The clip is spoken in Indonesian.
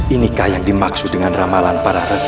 inikah yang dimaksud dengan ramalan para rasul